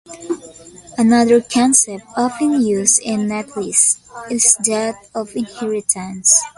Another concept often used in netlists is that of inheritance.